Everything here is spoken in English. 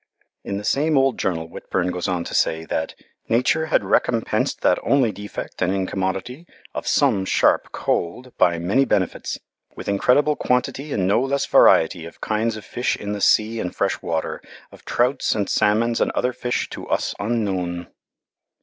In the same old journal Whitbourne goes on to say that "Nature had recompensed that only defect and incommoditie of some sharpe cold by many benefits with incredible quantitie and no less varietie of kindes of fish in the sea and fresh water, of trouts and salmons and other fish to us unknowen."